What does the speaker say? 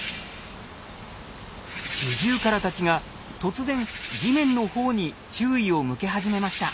シジュウカラたちが突然地面の方に注意を向け始めました。